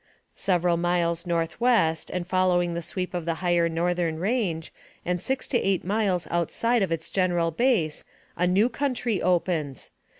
Several miles northwest, and following the sweep of the higher northern range, and six to eight miles out side its general base, a new country opens.